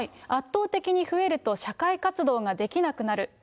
圧倒的に増えると社会活動ができなくなる。